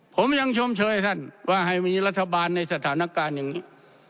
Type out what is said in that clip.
ผมยังชมเชยท่านว่าให้มีรัฐบาลในสถานการณ์อย่างนี้